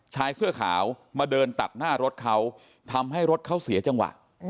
ชายเสื้อขาวมาเดินตัดหน้ารถเขาทำให้รถเขาเสียจังหวะ